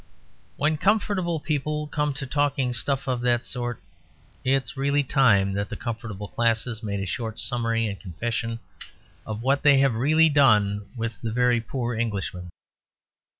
When comfortable people come to talking stuff of that sort, it is really time that the comfortable classes made a short summary and confession of what they have really done with the very poor Englishman.